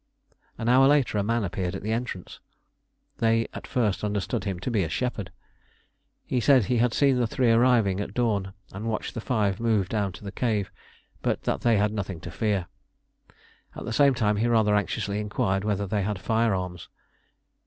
An hour later a man appeared at the entrance. They at first understood him to be a shepherd. He said he had seen the three arriving at dawn, and watched the five move down to the cave, but that they had nothing to fear. At the same time he rather anxiously inquired whether they had firearms.